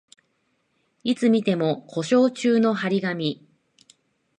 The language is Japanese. いつ見ても故障中の張り紙